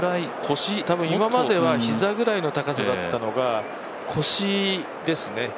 多分今までは膝くらいの高さだったのが腰ですね。